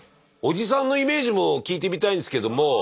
おじさんのイメージも聞いてみたいんですけども。